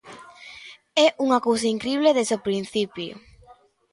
É unha cousa incrible desde o principio.